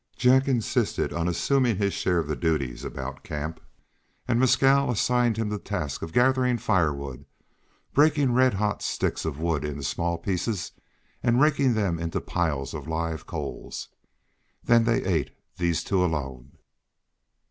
Jack insisted on assuming his share of the duties about camp; and Mescal assigned him to the task of gathering firewood, breaking red hot sticks of wood into small pieces, and raking them into piles of live coals. Then they ate, these two alone.